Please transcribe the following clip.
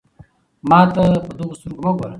ما ته په دغو سترګو مه ګوره.